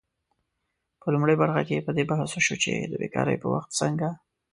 په لومړۍ برخه کې په دې بحث وشو چې د بیکارۍ په وخت څنګه